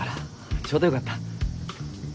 ちょうどよかった。